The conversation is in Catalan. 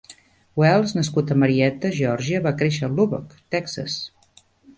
Wells, nascut a Marietta, Geòrgia, va créixer a Lubbock, Texas.